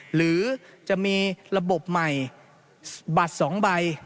หรือจะมีระบบใหม่บัตร๒ใบ